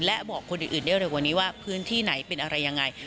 และบอกคนอื่นได้เร็วกว่านี้ว่าพื้นที่ไหนเป็นอะไรยังไง